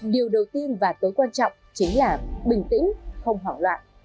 điều đầu tiên và tối quan trọng chính là bình tĩnh không hoảng loạn